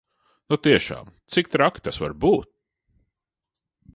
Nu tiešām, cik traki tas var būt?